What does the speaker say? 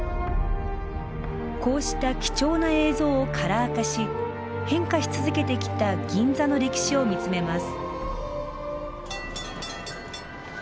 こうした貴重な映像をカラー化し変化し続けてきた銀座の歴史を見つめます。